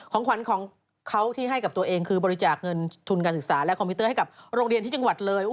ของขวัญของเขาที่ให้กับตัวเองคือบริจาคเงินทุนการศึกษาและคอมพิวเตอร์ให้กับโรงเรียนที่จังหวัดเลย